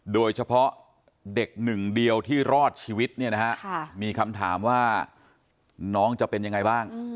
โดยเฉพาะเด็กหนึ่งเดียวที่รอดชีวิตเนี่ยนะฮะมีคำถามว่าน้องจะเป็นยังไงบ้าง